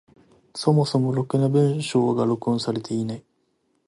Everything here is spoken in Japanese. そもそもろくな文章が録音されていない。